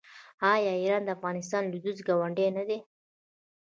آیا ایران د افغانستان لویدیځ ګاونډی نه دی؟